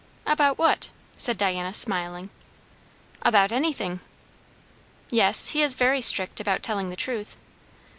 "About what?" said Diana, smiling. "About anything." "Yes; he is very strict about telling the truth."